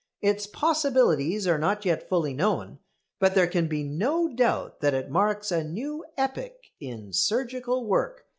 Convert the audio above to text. Its possibilities are not yet fully known, but there can be no doubt that it marks a new epoch in surgical work.